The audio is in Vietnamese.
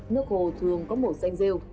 nước hồ thường có màu xanh rêu